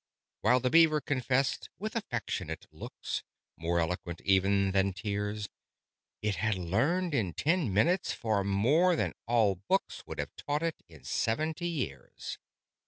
While the Beaver confessed, with affectionate looks More eloquent even than tears, It had learned in ten minutes far more than all books Would have taught it in seventy years.